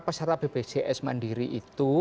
peserta bbcs mandiri itu